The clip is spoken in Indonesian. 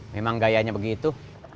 memang gayanya begitu